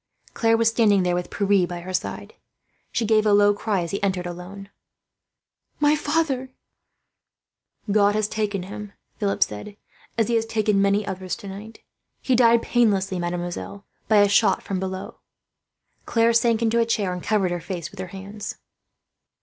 Claire was standing there, with Pierre by her side. She gave a low cry as he entered, alone. "My father!" she exclaimed. "God has taken him," Philip said, "as He has taken many others tonight. He died painlessly, mademoiselle, by a shot from below." Claire sank into a chair, and covered her face with her hands.